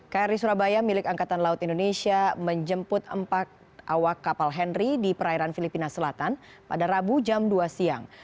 kri surabaya milik angkatan laut indonesia menjemput empat awak kapal henry di perairan filipina selatan pada rabu jam dua siang